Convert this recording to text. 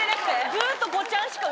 ずっと。